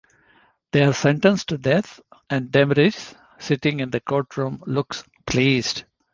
They are sentenced to death, and Demiris, sitting in the courtroom, looks pleased.